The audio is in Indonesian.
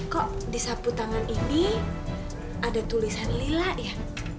kok disapu tangan ini ada tulisan lila ya